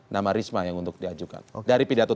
nama risma yang untuk diajukan dari pidato